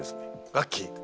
ガッキー。